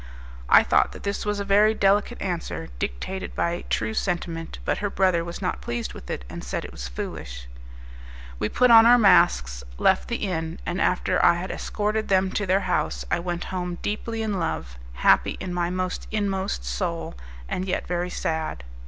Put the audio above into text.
I thought that this was a very delicate answer, dictated by true sentiment; but her brother was not pleased with it, and said it was foolish. We put on our masks, left the inn, and after I had escorted them to their house I went home deeply in love, happy in my inmost soul, yet very sad.